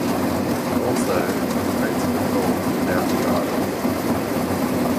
Also, Prince performed without an Idol.